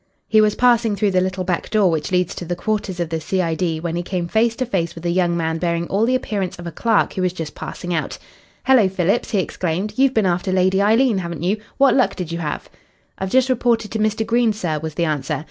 He was passing through the little back door which leads to the quarters of the C.I.D. when he came face to face with a young man bearing all the appearance of a clerk who was just passing out. "Hello, Phillips!" he exclaimed. "You've been after Lady Eileen, haven't you? What luck did you have?" "I've just reported to Mr. Green, sir," was the answer.